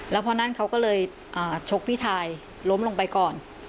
เราก็เลยชกพี่ชายล้มลงไปก่อน